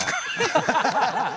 ハハハハ！